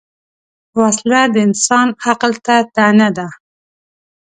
وسله د انسان عقل ته طعنه ده